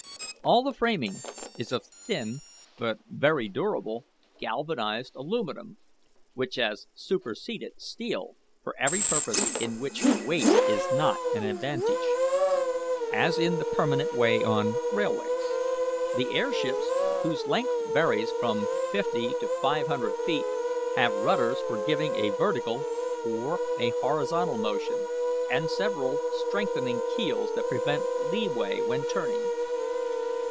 All the framing is of thin but very durable galvanized aluminum, which has superseded steel for every purpose in which weight is not an advantage, as in the permanent way on railways. The air ships, whose length varies from fifty to five hundred feet, have rudders for giving a vertical or a horizontal motion, and several strengthening keels that prevent leeway when turning.